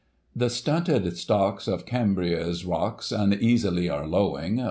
The stunted stocks of Cambria's rocks uneasily are lowing.